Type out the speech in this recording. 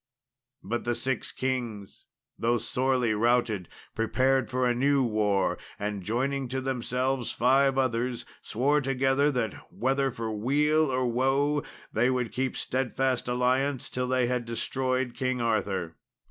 But the six kings, though sorely routed, prepared for a new war, and joining to themselves five others swore together that, whether for weal or woe, they would keep steadfast alliance till they had destroyed King Arthur.